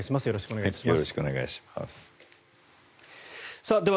よろしくお願いします。